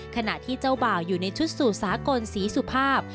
ขณะที่เจ้าบ่าวอยู่ในชุดสู่สากลศรีสุภาพ